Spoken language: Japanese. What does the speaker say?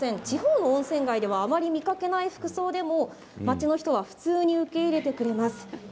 地方の温泉街ではあまり見かけない服装でも町の人は普通に受け入れてくれます。